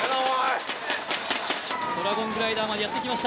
ドラゴングライダーまでやってきました。